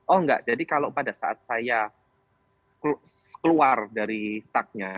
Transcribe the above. oh enggak jadi kalau pada saat saya keluar dari staknya